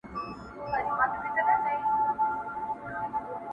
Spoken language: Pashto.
څارنوال او د قاضي که د بابا ده.